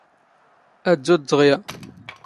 ⴰⴷⴷⵓ ⴷ ⴷⵖⵢⴰ.